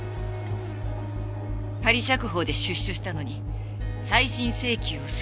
仮釈放で出所したのに再審請求をする。